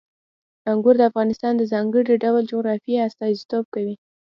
انګور د افغانستان د ځانګړي ډول جغرافیې استازیتوب کوي.